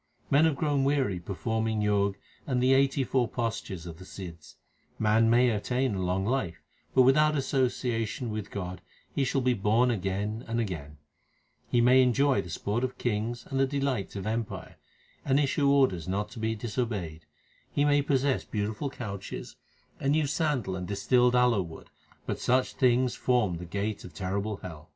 Men have grown weary performing Jog and the eighty four postures of the Sidhs : Man may attain a long life, but without association with God he shall be born again and again ; He may enjoy the sport of kings and the delights of empire, and issue orders not to be disobeyed ; He may possess beautiful couches, and use sandal and distilled aloe wood, but such things form the gate of terrible hell.